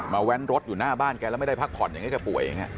แว้นรถอยู่หน้าบ้านแกแล้วไม่ได้พักผ่อนอย่างนี้แกป่วยอย่างนี้